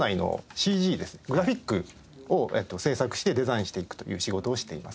グラフィックを制作してデザインしていくという仕事をしています。